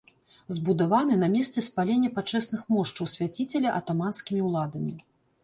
Збудаваны на месцы спалення пачэсных мошчаў свяціцеля атаманскімі ўладамі.